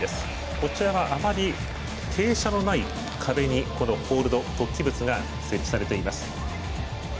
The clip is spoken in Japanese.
こちらはあまり傾斜のない壁にホールド突起物が設置されています。